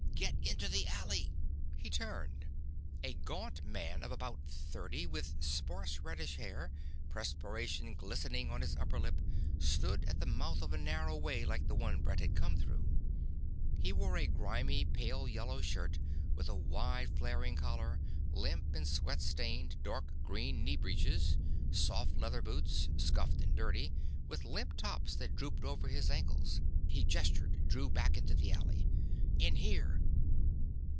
Get into the alley...!" He turned. A gaunt man of about thirty with sparse reddish hair, perspiration glistening on his upper lip, stood at the mouth of a narrow way like the one Brett had come through. He wore a grimy pale yellow shirt with a wide flaring collar, limp and sweat stained, dark green knee breeches, soft leather boots, scuffed and dirty, with limp tops that drooped over his ankles. He gestured, drew back into the alley. "In here."